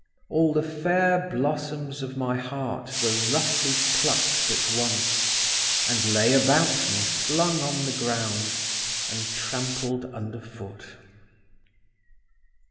All the fair blossoms of my heart were roughly plucked at once, and lay about me, flung on the ground, and trampled underfoot.